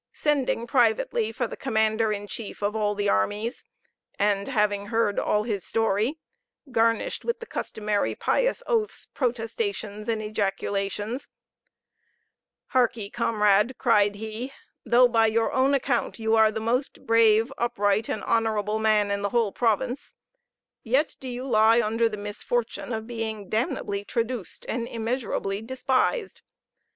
Sending privately for the commander in chief of all the armies, and having heard all his story, garnished with the customary pious oaths, protestations, and ejaculations "Harkee, comrade," cried he, "though by your own account you are the most brave, upright, and honorable man in the whole province, yet do you lie under the misfortune of being damnably traduced, and immeasurably despised.